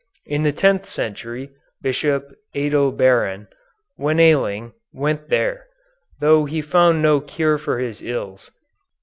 In the tenth century Bishop Adalberon, when ailing, went there, though he found no cure for his ills.